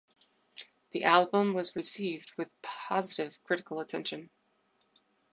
The album was received with positive critical attention.